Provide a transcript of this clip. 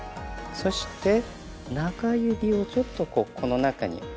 そして中指をちょっとこうこの中に。